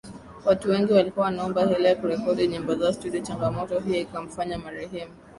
watu wengi walikuwa wanaomba hela ya kurekodi nyimbo zao studio Changamoto hiyo ikamfanya marehemu